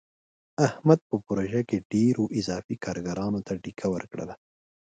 احمد په پروژه کې ډېرو اضافي کارګرانو ته ډیکه ورکړله.